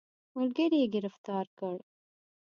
ملګري یې ګرفتار کړ.